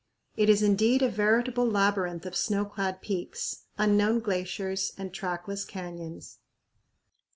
It is indeed a veritable labyrinth of snow clad peaks, unknown glaciers, and trackless canyons.